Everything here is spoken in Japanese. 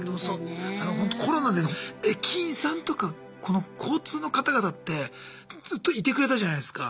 ほんとコロナで駅員さんとかこの交通の方々ってずっといてくれたじゃないすか。